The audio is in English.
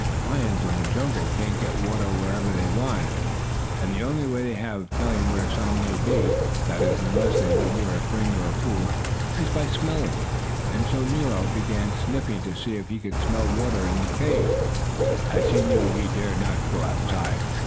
Lions in the jungle can't get water whenever they want it, and the only way they have of telling where some may be that is unless they live near a spring or a pool is by smelling. And so Nero began sniffing to see if he could smell water in the cave, as he knew he dared not go outside.